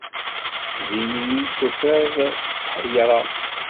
Din iyi-d tufiḍ tḥeyṛeɣ.